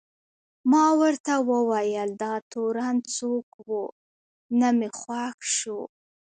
ما ورته وویل: دا تورن څوک و؟ نه مې خوښ شو.